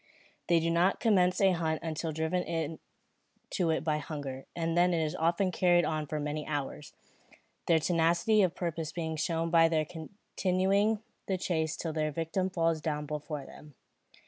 They do not commence a hunt until driven to it by hunger, and then it is often carried on for many hours, their tenacity of purpose being shown by their continuing the chase till their victim falls down before them.